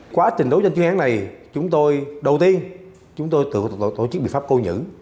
quá trình đấu tranh chuyên án này chúng tôi đầu tiên chúng tôi tự tổ chức biện pháp cô nhữ